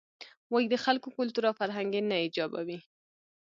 وایې د خلکو کلتور او فرهنګ یې نه ایجابوي.